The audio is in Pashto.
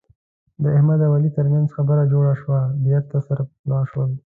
د احمد او علي ترمنځ خبره جوړه شوه. بېرته سره پخلا شول.